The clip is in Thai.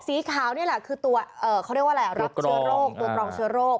สีขาวนี่แหละคือตัวรับเชื้อโรค